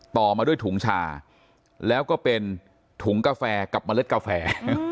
ต่อมาด้วยถุงชาแล้วก็เป็นถุงกาแฟกับเมล็ดกาแฟ